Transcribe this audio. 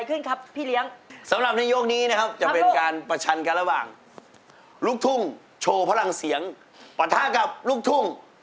ถ้าเต้นเข้าหากันเป็นอย่างไรลูกเต้นเข้าหากัน